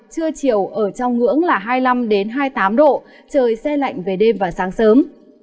trưa chiều ở trong ngưỡng là hai mươi năm hai mươi tám độ trời xe lạnh về đêm và sáng sớm